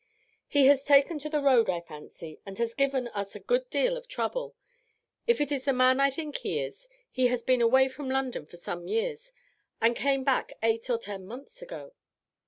"He has taken to the road, I fancy, and has given us a good deal of trouble; if it is the man I think it is, he has been away from London for some years, and came back eight or ten months ago."